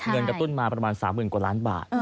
เงินกระตุ้นมาประมาณ๓๐๐๐กว่าล้านบาท